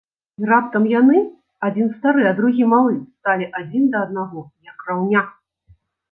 І раптам яны, адзін стары, а другі малы, сталі адзін да аднаго, як раўня.